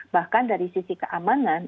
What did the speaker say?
bahkan dari sisi keamanan